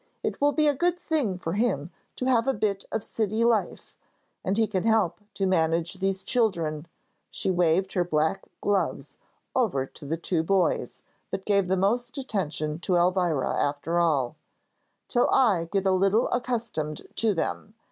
"It will be a good thing for him to have a bit of city life, and he can help to manage these children," she waved her black gloves over to the two boys, but gave the most attention to Elvira after all, "till I get a little accustomed to them.